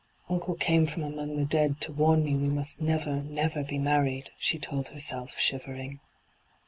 ' Uncle came from among the dead to warn me we must never, never be married,' she told herself, shivering.